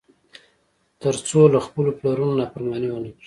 تر څو له خپلو پلرونو نافرماني ونه کړي.